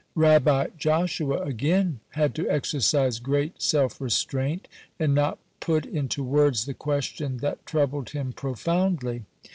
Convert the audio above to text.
Rabbi Joshua again had to exercise great self restraint, and not put into words the question that troubled him profoundly.